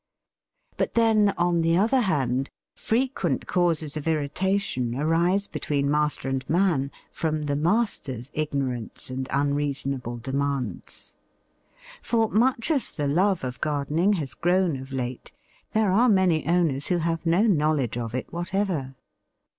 But then, on the other hand, frequent causes of irritation arise between master and man from the master's ignorance and unreasonable demands. For much as the love of gardening has grown of late, there are many owners who have no knowledge of it whatever.